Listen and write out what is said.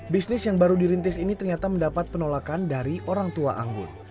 bisnis yang baru dirintis ini ternyata mendapat penolakan dari orang tua anggun